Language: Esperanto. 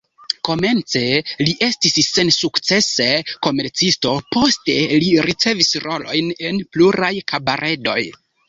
Komence li estis sensukcese komercisto, poste li ricevis rolojn en pluraj kabaredoj.